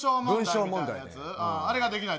あれができないの。